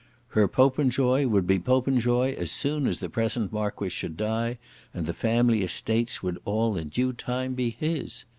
Her Popenjoy would be Popenjoy as soon as the present Marquis should die, and the family estates would all in due time be his!